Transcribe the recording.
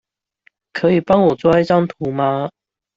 可以幫我抓一張圖嗎？